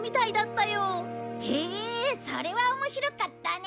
へえそれは面白かったね。